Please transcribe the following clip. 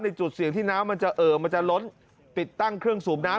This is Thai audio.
จุดเสี่ยงที่น้ำมันจะเอ่อมันจะล้นติดตั้งเครื่องสูบน้ำ